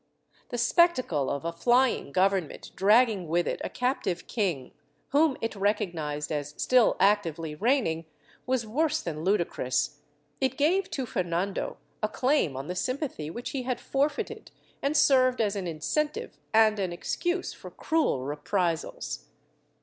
The spectacle of a flying Government dragging with it a captive king, whom it recognized as still actively reigning, was worse than ludicrous; it gave to Fernando a claim on the sympathy which he had forfeited, and served as an incentive and an excuse for cruel reprisals.